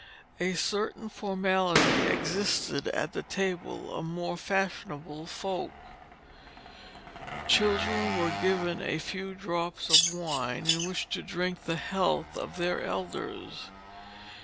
A certain formality existed at the table of more fashionable folk. Children were given a few drops of wine in which to drink the health of their elders.